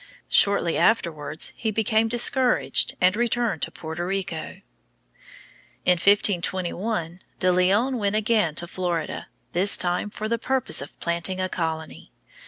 Shortly afterwards he became discouraged and returned to Puerto Rico. In 1521 De Leon went again to Florida, this time for the purpose of planting a colony.